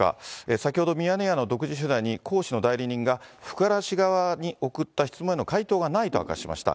先ほどミヤネ屋の独自取材に江氏の代理人が、福原氏側に送った質問への回答がないと明かしました。